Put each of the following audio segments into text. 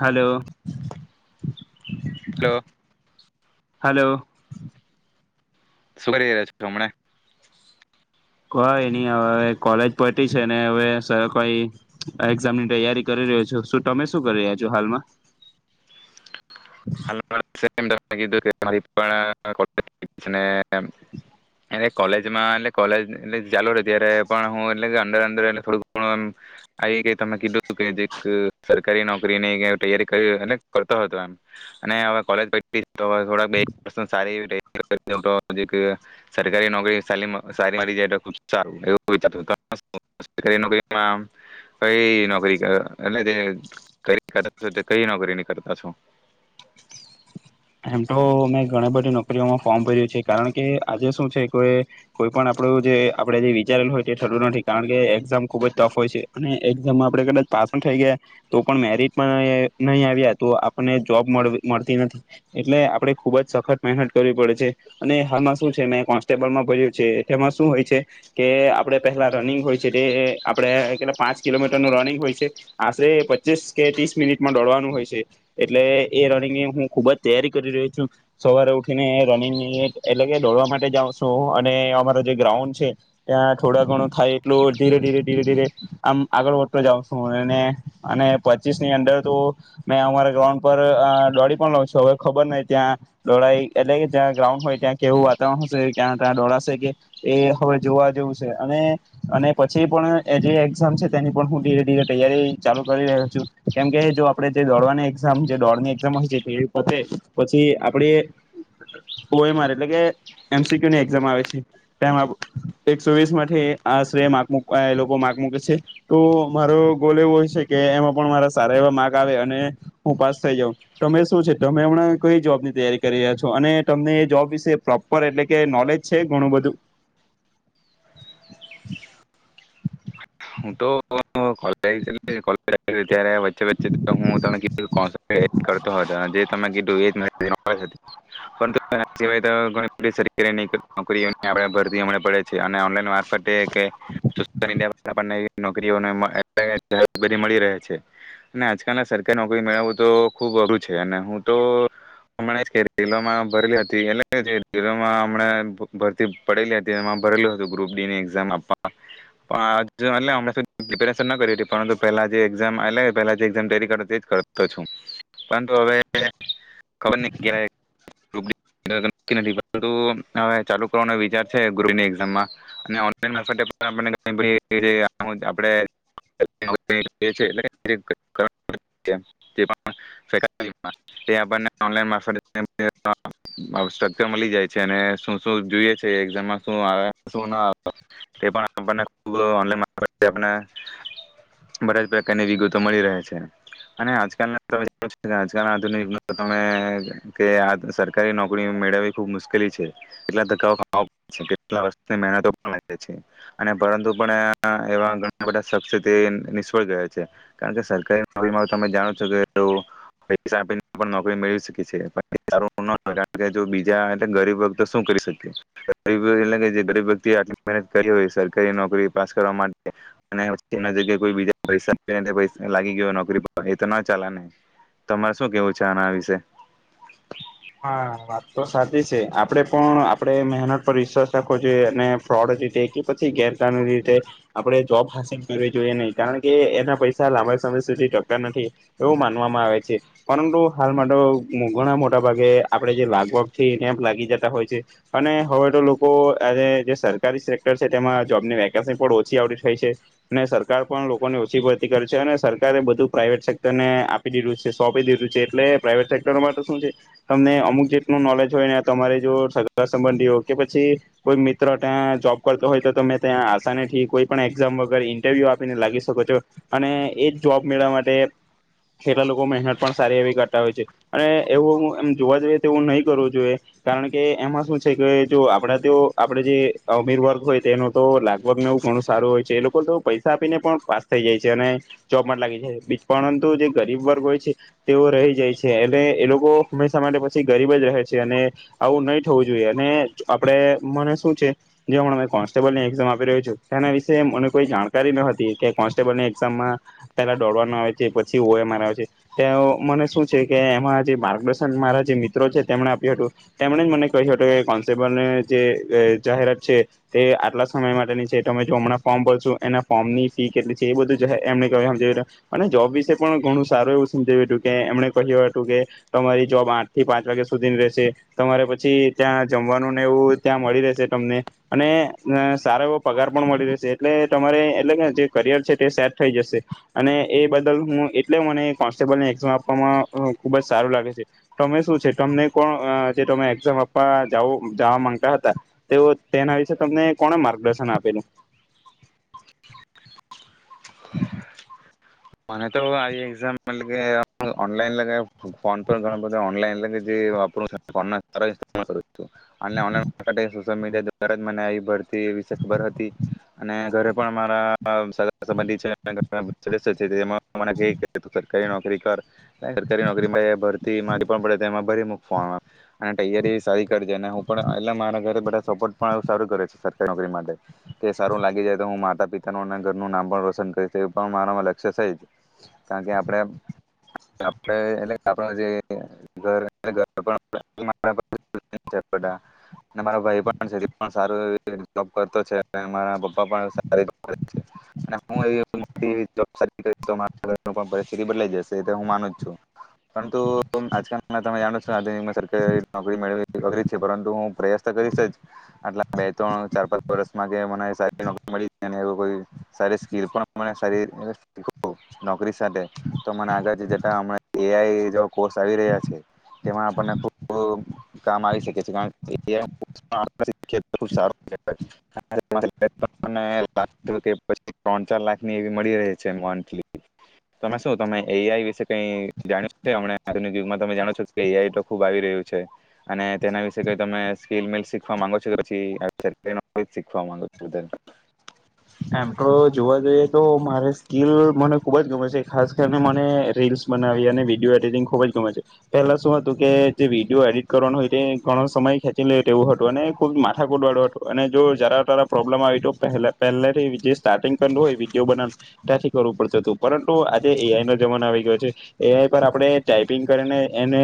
Hello hello hello શું કરી રહ્યા છો હમણે? કઈ ન હવે કોલેજ પટી છે, ને હવે [inaudible] એક્ઝામની તૈયારી કરી રહ્યો છ, શું તમે શું કરી રહ્યા છો હાલમાં? [unintelligible] [inaudible] એ કોલેજમાં એટલે કોલેજ એટલે ચાલુ રે ત્યારે પણ હું એટલે અંદર અંદર એ થોડુંક ઘણું એમ આવી ગઈ તમે કીધું કે જીરીક સરકારી નોકરીની [inaudible] તૈયારી કરી એટલે કરતો હતો એમ. અને હવે કોલેજ [unintelligible] તો થોડાક બે સારી એવી [unintelligible] આમ તો મેં ઘણી બધી નોકરીઓમાં ફોર્મ ભર્યું છે કારણ કે આજે શું છે, કે કોઈ પણ આપડું જે આપણે જે વિચારેલું હોય તે થતું ભાજીપાવ છે નથી કારણ કે એક્ઝામ ખુબ જ ટફ હોય છે, અને એક્ઝામમાં આપણે કદાચ પાસ પણ થઈ ગયા તો પણ મેરિટ નહી આવ્યા તો આપને જોબ મળતી નથી. એટલે આપણે ખૂબ જ સખત મહેનત કરવી પડે છે, અને હાલમાં શું છે, મેં કોન્સ્ટેબલમાં ભર્યું છે, તેમાં શું હોય છે કે આપણે પહેલા રનિંગ હોય છે, તે આપણે કેટલા પાંચ કિલોમીટરનું રનિંગ હોય છે, આશરે પચીસ કે ત્રીસ મિનિટમાં દોડવાનું હોય છે, એટલે એ રનિંગ એ હું ખૂબ જ તૈયારી કરી રહ્યો છું, સવારે ઉઠીને રનિંગ એટલે કે દોડવા માટે જાઉ શુ, અને અમારો જે ગ્રાઉન્ડ છે, ત્યાં થોડા ઘણું થાય એટલું ધીરે ધીરે ધીરે ધીરે આમ આગળ વધતો જાઉં છું, અને અને પચીસ ની અંદર તો મેં અમારા ગ્રાઉન્ડ પર દોડી પણ લઉ છું, હવે ખબર નહી ત્યાં દોડાય એટલે કે જ્યાં ગ્રાઉન્ડ હોય ત્યાં કેવું વાતાવરણ હશે ક્યાં ત્યાં દોડાશે કે એ હવે જોવા જેવું શે અને અને પછી પણ એ જે એક્ઝામ છે, તેની પણ હું ધીરે ધીરે તૈયારી ચાલુ કરી રહ્યો છું, કેમકે જો આપણેે જે દોડવાની એક્ઝામ જે દોડની એક્ઝામ હોય છે, તે પછી આપડે ઓ એમ આર એટલે કે એમસીક્યુની એક્ઝામ આવે છે, તેમ એકસો વીસ માંથી આશરે માર્ક એ લોકો માર્ક મૂકે છે, તો મારો ગોલ એવો હોય છે, કે એમાં પણ મારા સારા એવા માર્ક આવે અને હું પાસ થઈ જાઉં તમે શું છે. તમે હમણાં કઈ જોબ ની તૈયારી કરી રહ્યા છો અને તમને એ જોબ વિશે પ્રોપર એટલે કે નોલેજ છે, ઘણું બધું હું [unintelligible] તોલે ત્યારે વચ્ચે હું તમે કીધું કરતો હતો જે તમે કીધું એ પરંતુના સિવાય તોણી બધ સર નોકરીઓ આપ ભરતી હમણા પડે છે. [inaudible] ઓનલાઇન વાસ કે કે [inaudible] [unintelligible] ને મળી રહે છે, અને આજકાલ સરકારી નોકરી મેળવું તો ખુબ અઘરું છે, અને હું તો હમણાં કેલોમાં ભરેલી હતી એટમાં હમ ભરતી પડેલી હતી એમાં ભરેલું હતું ગ્રુપ ડીની એક્ઝામ આપવા પણ એટલે પ્રિપરેશન ના કરી પરંતુ પેલા જે એક્ઝામ એટલે પેલા એક્ઝામ જે કર કરતો છું, પરંતુ હવે ખબરને ગિરા [unintelligible] ચાલુ કરવાનો વિચાર છે ગુડ્ડી એક્ઝામમાં અને ઓનલાઇન મારફતે આપણને [unintelligible] તે આપણને ઓનલાઇન મારફતે [inaudible] મળી જાય છે અને શું શું જોઈએ છીએ અને એક્ઝામમાં શું આવે શુ ન આવે એ પણ આપણને ને બધ જ પ્રકારની વિગતો મળી રહે છે, અને આજકાલ ના આજલ આધુનિક ત સરકારી નોકરી મેળવવી ખુબ મુશ્કેલી છે, કેટલા ધક્કા ખાવા પડે છે [inaudible] પરંતુ પણ એવા ઘણા બધા શખ્સ તે નિષ્ફળ ગયા છે કારણ કે સરકારી નોકરીમાં તમે જાણો છો કે પૈસા આપીને પણ નોકરી મેળવી શકીએ છીએ છે સાર કાર જો બીજા એટ ગરીબ વ શું કરી શકીએ બ એટલે જે ગરીબ વ્યક્તિ આટલી મહેનત કરી હોય કરી નોકરી પાસ કરવા માટે જગ્યા કો બીજા પૈસા લાગી ગયો નોકરી એ તો ના ચાલે ને તમારે શું કેવું છે, આના વિશે! હા વાત તો સાચી છે, આપડે પણ આપણે મહેનત પર વિશ્વાસ રાખવો જોઈએ અને ફ્રોડ રીતે કે પછી ગેરકાનૂની રીતે આપણે જોબ હાંસલ કરવી જોઈએ નહી કારણ કે એના પૈસા લાંબા સમય સુધી ટતા નથી એવું માનવામાં આવે છે પરંતુ હાલ માટે ઘણા મો ટા ભાગે આપણે જે લાગવગ છે, એને એમ લાગી જતા હોય છે, અને હવે તો લોકો અને જે સરકારી સેક્ટર છે, તેમાં જોબની વેકેસી પણ ઓછી આવડી થઈ છે. ને સરકાર પણ લોકોને ઓછી ભરતી કરે છે, અને સરકારે બધું પ્રાઈવેટ સેક્ટરને આપી દીધું છે, સોંપી દીધું છે. એટલે પ્રાઈવેટ સેક્ટર માં તો શું છે તમને અમુક જેટલું નોલેજ હોય ને તમારે જો સગા સંબંધી હો કે પછી કોઈ મિત્ર ત્યાં જોબ કરતો હોય તો તમે ત્યાં આસાનીથી કોઈ પણ એક્ઝામ વગર ઇન્ટરવ્યુ આપીને લાગી શકો છો. અને એજ જોબ મેળવા માટે એટલા લોકો મહેનત પણ સારી એવી કરતા હોય છે. અને એવું એમ જોવા જઈએ તો એવું નહીં કરવું જોઈએ. કારણ કે એમાં શું છે, કે જો આપડા તો આપડે જે અમીર વર્ગ હોય તે એનો તો લાગવા મે એવું ઘણું સારું હોય છે, એ લોકો તો પૈસા આપીને પણ પાસ થઈ જાય છે અને જોબ માટ લાગી જાય છે. પરંતુ જે ગરીબ વર્ગ હોય છે, તેઓ રહી જાય છે, એટલે એ લોકો હંમેશા માટે પછી ગરીબ જ રહે છે, અને આવું નહીં થવું જોઈએ. અને આપણે મને શું છે, જેમણા કોન્સ્ટેબલની એક્ઝામ આપી રહ્યો છું તેના વિશે મને કોઈ જાણકારી ન હતી કે કોન્સ્ટેબલની એક્ઝામમાં પહેલા દોડવાનું આવે છે, પછી ઓ એ મા આવે છે, તે મને શું છે, કે એમાં જે માર્ગદર્શ શન મારા જે મિત્રો છે તેમણે આપ્યું હટુ. તેમણે જ મને કહ્યું હટુ કે કોન્સ્ટેબલને જે એ જાહેરાત છે તે આટલા સમય માટેની છે. તમે જો હમણા ફોર્મ ભરશું એના ફોર્મની ફી કેટલી છે, એ બધું જહે એમ ને કોહે હમજાય રયો. અને જોબ વિશે પણ ઘણું સારું એવું સમજાવ્યું હટુ કે એમણે કહ્યું હટુ કે તમારી જોબ આઠ થી પાંચ વાગ્યા સુધી રહેશે. તમારે પછી ત્યાં જમવાનુંને એવું ત્યાં મળી રહેશે તમને અને અહ સારો એવો પગાર પણ મળી રહેશે એટલે તમારે એટલે કે જે કરિયર છે તે સેટ થઈ જશે અને એ બદલ હું એટલે મને કોન્સ્ટેબલને એક્ઝામ આપવામાં અહ ખૂબ જ સારું લાગે છે. તમે શું છે તમને કોઓ અહ જે તમે એક્ઝામ આપવા જાવો જાવા માંગતા હતા, તેઓ તેના વિશે તમને કોણે માર્ગદર્શન આપેલું? મને તો આ એક્ઝામ પલ કે આ ઓનલાઈન લગે ફોન પર ઘણા બધા ઓનલાઈન લગેજે વાપરું ફોન [unintelligible] તો અને [inaudible] [unintelligible] આ એ ભરતી વિશે ખબર હતી અને ઘરે પણ મારા સગાંસંબંધી છે [unintelligible] સચિદે એમ મને કે કે સરકારી નોકરી કર સરકારી નોકરી મળે ભરતીમાં ફોર્મ ભરે તેમાં ભરી મૂક ફોર્મ અને તૈયારી સારી કરજે અને હું પણ એટલા મારા ઘરે બધા સપોર્ટ પણ સારું કરે છે સરકારી નોકરી માટે કે સારું લાગી જાય તો હું માતા પિતાનું અને ઘરનું નામ પણ રોશન કરશે એ પણ મારા માં સ સાઈ જુ કારણ કે આપણે [inaudible] [inaudible] પણ પરિસ્થિતિ બદલાઈ જશે. એ તો હું માનું જ છું. પરંતુ આજકાલ તમે જાણો છો સ્વાધીન સરકારી નોકરી મેળવવી અઘરી છે પરંતુ હું પ્રયાસ તો કરીશ જ આટલા બે ત્રણ ચાર પાંચ વરસમાં કે મને સારી નોકરી મળી અને એવુ કોઈ સારી સ્કીલ પણ મને સારી [inaudible] નોકરી સાથે તો મને આગળથી જતા હમણાં એ આઈ જેવા કોર્સ આવી રહ્યા છે. તેમાં આપણને ખૂબ કામ આવી શકે છે કારણ કે [unintelligible] પછી ત્રણ ચાર લાખ ની મળી રહે છે મંથલી. તમે શું તમે એ આઈ વિશે કઈ જાણ્યું છે આમાં ત જાણો છો એ આઈ તો ખુબ આવી રહ્યું છે અને તેના વિશે સ્કીલ મિલ શીખવા માંગો છો એ પછી [unintelligible] એમ તો જોવા જઈએ તો મારે સ્કીલ મને ખુબ જ ગમે છે ખાસ કરને મને રીલ્સ બનાવી અને વિડિયો એડિટિંગ ખુબ જ ગમે છે. પહેલા શું હતું કે જે વિડીયો એડિટ કરવાનું હોય તે ઘણો સમય ખેંચી લે ટેવું હતું અને ખૂબ માથાકૂટવાળું હતું અને જો જરા તરા પ્રોબ્લેમ આવી તો પેહલા પેહલે જે વીજે સ્ટાર્ટિંગ પોઈન્ટ હોય વિડીયો બનાવ ત્યાંથી કરવું પડતું તું પરંતુ આજે એ આઈ નો જમાનો આવી ગયો છે. એ આઈ પર આપડે ટાઈપિંગ કરીને એને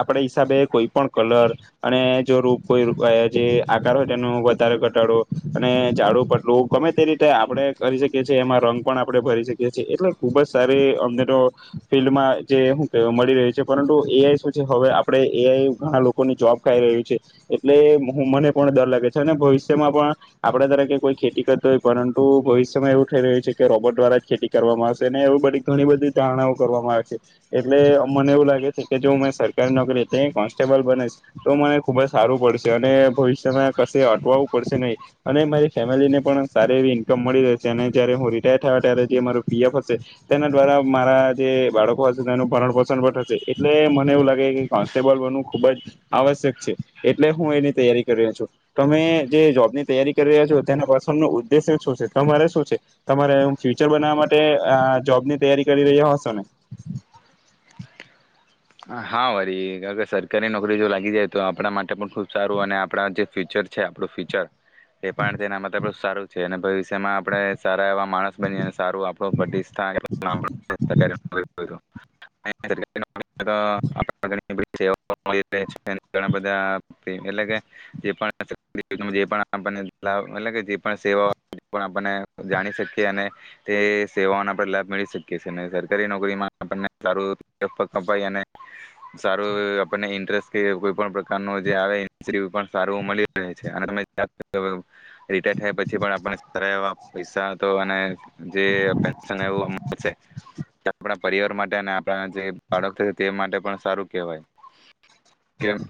આપણે હિસાબે કોઈ પણ કલર અને જો રૂપ કોઈ રૂપે એહે જે આકાર હોય ટેમનું વધારે ઘટાડો અને ઝાડું પટલું ગમે તે રીતે આપડે કરી શકીએ છીએ એમાં રંગ પણ આપડે ભરી શકીએ છીએ. એટલે ખૂબ જ સારી અમને તો ફિલ્ડમાં જે હું કે મળી રહી છે પરંતુ એ આઈ શું છે હવે આપડે એ આઈ ઘણા લોકોની જોબ ખાઈ રહ્યું છે એટલે હું મને પણ ડર લાગે છે. અને ભવિષ્યમાં પણ આપણા તરેકે કોઈ ખેતી કર કઈ પરંતુ ભવિષ્યમાં એવું થઈ રહ્યું છે કે રોબોટ દ્વારા જ ખેતી કરવામાં આવશે અને એવી બધી ઘણી બધી ધારણાઓ કરવામાં આવશે. એટલે એ મને એવું લાગે છે કે જો મેં સરકારી નોકરી તઈ કોન્સ્ટેબલ બનેશ તો મને ખૂબ જ સારું પડશે અને ભવિષ્યમાં કશે અટવાવું પડશે નહીં અને મારી ફેમિલીને પણ સારી એવી ઈન્કમ મળી રહે છે. અને જયારે હું રિટાયર થયો ત્યારે જે મારો પીએફ હશે તેના દ્વારા મારા જે બાળકો હશે તેનું ભરણપોષણ પણ થશે. એટલે મને એવું લાગે કે કોન્સ્ટેબલ બનવું ખુબ જ આવશ્યક છે. એટલે હું એની તૈયારી કરી રહ્યો છું. તમે જે જોબની તૈયારી કરી રહ્યા છો તેના પાસ તમનો ઉદ્દેશ્ય શું છે, તમારે શું છે. તમારે ફ્યુચર બનાવવા માટે અ જોબની તૈયારી કરી રહ્યા હશો ને? હા, વરી કાણકે સરકારી નોકરી જો લાગી જાય, તો આપણા માટે પણ ખૂબ સારું અને આપણા જે ફ્યુચર છે આપણું ફ્યુચર એ પણ તેના માટે બહુ સારું છે એને ભવિષ જેમાં આપણે સારા એવા માણસ બનીને અને સારું આપણું બધી [unintelligible] [unintelligible] [unintelligible] જાણી શકીએ અને તે સેવાઓના આપણે લાભ મેળવી શકીએ છે, ને સરકારી નોકરીમાં આપણને સારું એવું કપાઈ અને સારું એવું આપણને ઇન્ટરેસ્ટ કે કોઈ પણ પ્રકારનો જે આવે ઇન્સેટિવ પણ સારું મળી રહે છે. અને તમે [unintelligible] રિટાયર થયા પછી પણ આપણને સારા એવા પૈસા તો અને જે પેન્સન એવું મળશે [unintelligible] પરિવાર માટે અને આપણાના જે બાળક થયું તે માટે પણ સારું કેવાય. કેમ?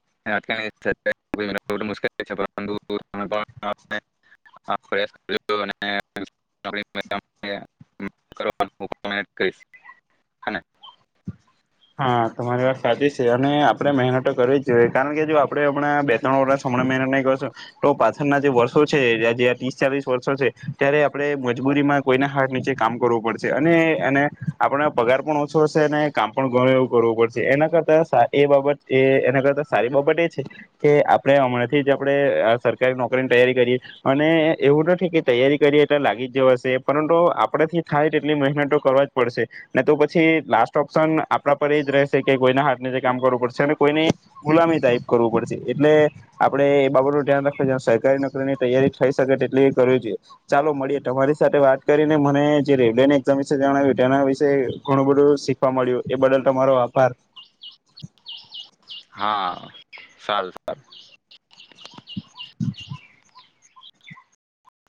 [unintelligible] હા, તમારી વાત સાચી છે. અને આપડે મહેનત તો કરવી જ જોઈએ. કારણ કે જો આપડે હમણાં બે ત્રણ વરસ હમણાં મહેનત નહીં કરશો, તો પાછળના જે વર્ષો છે રે જે આ ત્રીસ ચાલીસ વર્ષો છે ત્યારે આપણે મજબૂરીમાં કોઈના હાથ નીચે કામ કરવું પડશે. અને એ અને આપણા પગાર પણ ઓછો હશે અને કામ પણ ઘણું એવું કરવું પડશે. એના કરતાં સા એ બાબત એ એના કરતાં સારી બાબત એ છે કે આપણે હમણાંથી જ આપણે આ સરકારી નોકરીન તૈયારી કરીએ. અને એવું નથી કે તૈયારી કરીએ એટલે લાગી જ જવાશે પરંતુ આપડાથી થાય તેટલી મહેનત તો કરવા જ પડશે, ને તો પછી લાસ્ટ ઓપ્શન આપણા પર એ જ રહેશે કે કોઈના હાથ નીચે કામ કરવું પડશે અને કોઈને ગુલામી ટાઇપ કરવું પડશે. એટલે આપડે એ બાબતનું ધ્યાન રાખવું સરકારી નોકરીની તૈયારી થઈ શકે તેટલી કરવી જોઈએ. ચાલો મળીએ તમારી સાથે વાત કરીને મને જે રેલ્વેની એક્ઝામ વિશે જણાવ્યું તેના વિશે ઘણું બધું શીખવા મળ્યું. એ બદલ તમારો આભાર. સારુ સારુ.